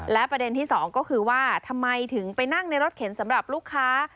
และประเด็นที่สองก็คือว่าทำไมถึงไปนั่งในรถเข็นสำหรับลูกค้า